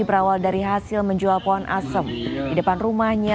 berawal dari hasil menjual pohon asem di depan rumahnya